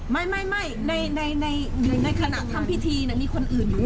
ไม่ในขณะทำพิธีนั้นมีคนอื่นอยู่ไหม